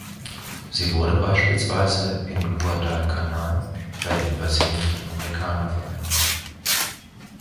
Sie wurde beispielsweise in Guadalcanal bei der Invasion der Amerikaner verwendet.